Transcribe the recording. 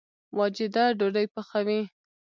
واجده ډوډۍ پخوي